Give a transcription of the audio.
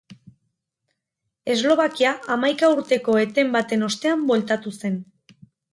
Eslovakia hamaika urteko eten baten ostean bueltatu zen.